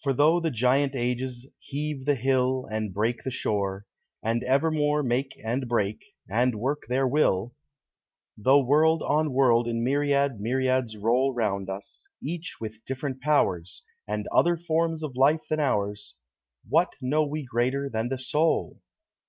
For tho' the Giant Ages heave the hill And break the shore, and evermore Make and break, and work their will; Tho' world on world in myriad myriads roll Round us, each with different powers, And other forms of life than ours, What know we greater than the soul?